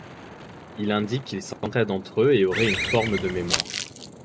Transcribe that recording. Il indique qu'ils s'entraident entre eux et auraient une forme de mémoire.